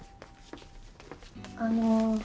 あの。